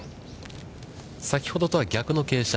先ほどとは逆の傾斜。